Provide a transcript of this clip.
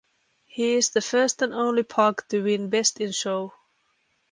He is the first and only pug to win Best in Show.